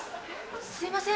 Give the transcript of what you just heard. すいません